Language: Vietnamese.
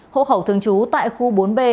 hộ khẩu thường trú tại khu bốn b